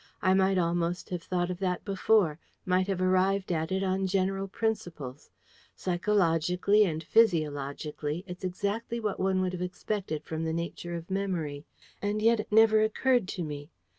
I might almost have thought of that before: might have arrived at it on general principles. Psychologically and physiologically it's exactly what one would have expected from the nature of memory. And yet it never occurred to me.